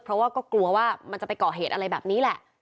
เพราะว่าก็กลัวว่ามันจะไปก่อเหตุอะไรแบบนี้แหละ